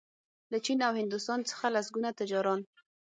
له چین او هندوستان څخه لسګونه تجاران